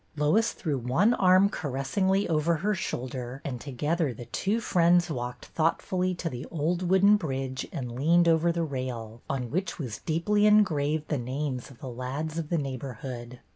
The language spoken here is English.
Lois threw one arm caressingly over her shoulder, and together the two friends walked thoughtfully to the old wooden bridge and leaned over the rail, on which was deeply engraved the names of the lads of the neighborhood.